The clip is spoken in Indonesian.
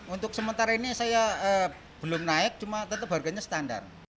untuk sementara ini saya belum naik cuma tetap harganya standar